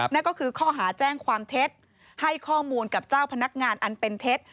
นั่นก็คือข้อหาแจ้งความเท็จให้ข้อมูลกับเจ้าพนักงานอันเป็นเท็จ